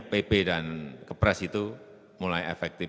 pp dan kepres itu mulai efektif